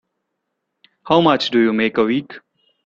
How much do you make a week?